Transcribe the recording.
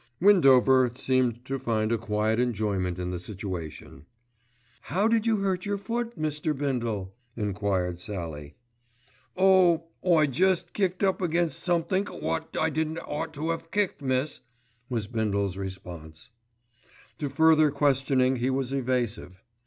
Windover seemed to find a quiet enjoyment in the situation. "How did you hurt your foot, Mr. Bindle?" enquired Sallie. "Oh! I jest kicked up against somethink wot I didn't ought to 'ave kicked, miss," was Bindle's response. To further questioning he was evasive.